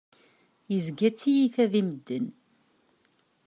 Yezga d tiyita di medden.